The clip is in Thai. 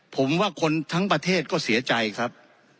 ผมว่าคนทั้งประเทศก็เสียใจครับ